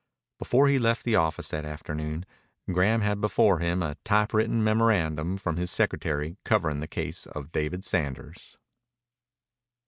Before he left the office that afternoon Graham had before him a typewritten memorandum from his secretary covering the case of David Sanders.